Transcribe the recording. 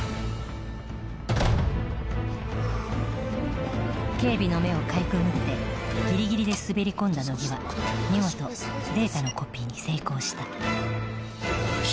ふう警備の目をかいくぐってギリギリで滑り込んだ乃木は見事データのコピーに成功したよーし